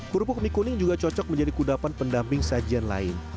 kerupuk mie kuning juga cocok menjadi kudapan pendamping sajian lain